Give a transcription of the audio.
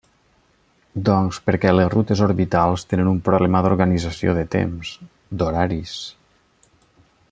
Doncs perquè les rutes orbitals tenen un problema d'organització de temps, d'horaris.